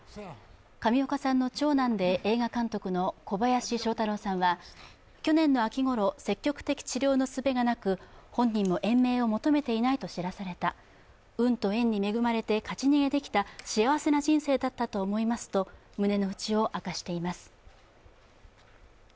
上岡さんの長男で映画監督の小林聖太郎さんは去年の秋ごろ、積極的治療のすべがなく、本人も延命を求めていないと知らされた、運と縁に恵まれて勝ち逃げできた幸せな人生だったと思いますと胸のうちを明かしています。